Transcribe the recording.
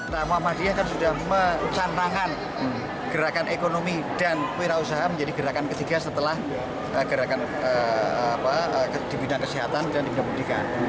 nah muhammadiyah kan sudah mencantangan gerakan ekonomi dan wira usaha menjadi gerakan ketiga setelah di bidang kesehatan dan di bidang pendidikan